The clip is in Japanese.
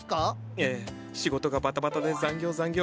ええ仕事がバタバタで残業残業。